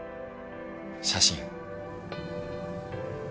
写真。